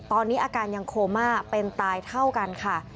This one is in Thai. ตอนนี้อาการยังโคม่าเป็นตายเท่ากันค่ะ